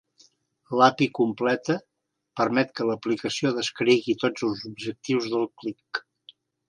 L'API completa permet que l'aplicació descrigui tots els objectius del clic.